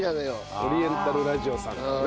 オリエンタルラジオさんからね。